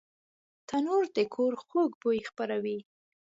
تنور د کور خوږ بوی خپروي